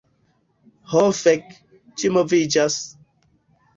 Ho fek', ĝi moviĝas!